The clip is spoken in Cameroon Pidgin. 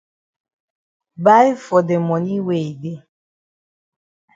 Buy for de moni wey e dey.